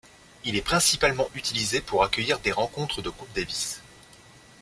Il est principalement utilisé pour accueillir des rencontres de Coupe Davis.